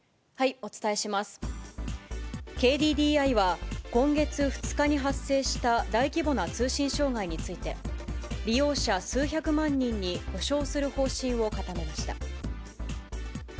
ＫＤＤＩは、今月２日に発生した大規模な通信障害について、利用者数百万人に補償する方針を固めました。